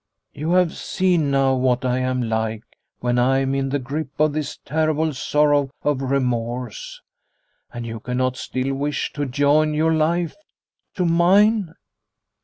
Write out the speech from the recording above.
You have seen now what I am like when I am in the grip of this terrible sorrow of remorse, and you cannot still wish to join your life to mine